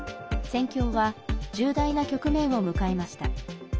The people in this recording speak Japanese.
戦況は重大な局面を迎えました。